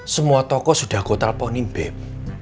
semua toko sudah aku telfonin beb